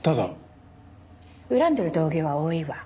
恨んでる同業は多いわ。